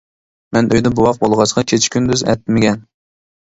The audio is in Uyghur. مەن ئۆيدە بوۋاق بولغاچقا كېچە كۈندۈز ئەتمىگەن.